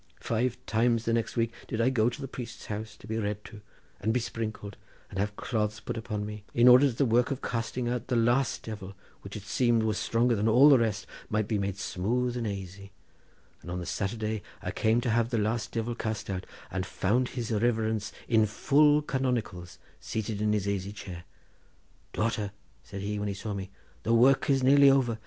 Five times the next week did I go to the priest's house, to be read to, and be sprinkled, and have cloths put upon me, in order that the work of casting out the last divil, which it seems was stronger than all the rest, might be made smooth and aisy, and on the Saturday I came to have the last divil cast out, and found his riverince in full canonicals, seated in his aisy chair. 'Daughter,' said he when he saw me, 'the work is nearly over.